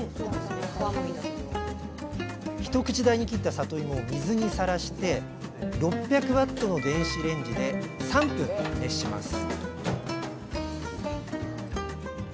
一口大に切ったさといもを水にさらして６００Ｗの電子レンジで３分熱します